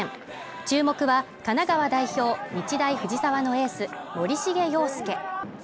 注目は神奈川代表、日大藤沢のエース・森重陽介。